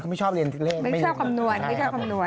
เขาไม่ชอบเรียนสินเล่นไม่อยากไม่ชอบคำนวณ